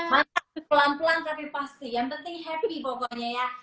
mantap pelan pelan tapi pasti yang penting happy pokoknya ya